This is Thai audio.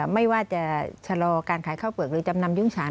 ไม่ว่าจะชะลอการขายข้าวเปลือกหรือจำนำยุ้งฉาน